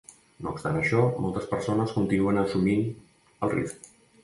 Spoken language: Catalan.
No obstant això, moltes persones continuen assumint el risc.